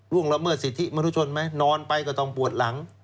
ละเมิดสิทธิมนุชนไหมนอนไปก็ต้องปวดหลัง